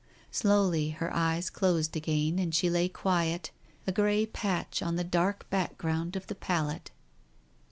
Slowly her eyes closed again and she lay quiet, a grey patch on the dark background of the pallet.